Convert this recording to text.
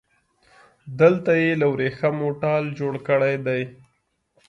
دلته يې له وريښمو ټال جوړ کړی دی